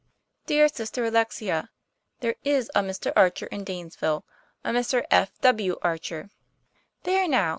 " DEAR SISTER ALEXIA: " There is a Mr. Archer in Danesville a Mr. F. W. Archer." "There, now!